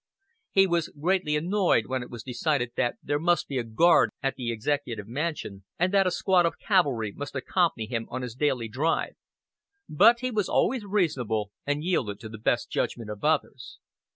He was greatly annoyed when it was decided that there must be a guard at the Executive Mansion, and that a squad of cavalry must accompany him on his daily drive; but he was always reasonable, and yielded to the best judgment of others.